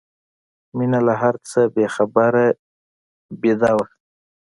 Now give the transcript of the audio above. مينه له هر څه بې خبره ویده وه